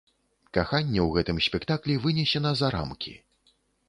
Каханне ў гэтым спектаклі вынесена за рамкі.